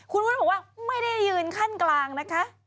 คุณหุนอี้เขาแบบว่าไม่ได้ยืนขั้นกลางนะคะ